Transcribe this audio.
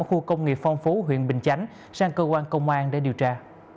khu công nghiệp phong phú huyện bình chánh sang cơ quan công an để điều tra